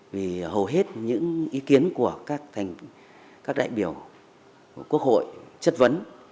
vì hầu hết những ý kiến của các đại biểu quốc hội chất vấn